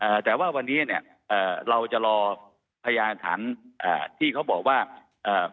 แต่ว่าวันนี้เนี้ยเอ่อเราจะรอพยานฐานอ่าที่เขาบอกว่าเอ่อ